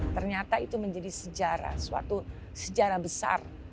ternyata itu menjadi sejarah suatu sejarah besar